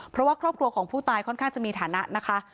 เพราะว่าครอบครัวของผู้ตายค่อนข้างจะมีฐานะนะคะ